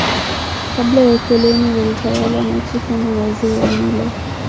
Kabla ya Ukoloni walitawala Machifu na Wazee wa mila